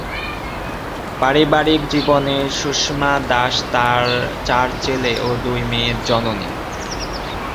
পারিবারিক জীবনে সুষমা দাস চার ছেলে ও দুই মেয়ের জননী।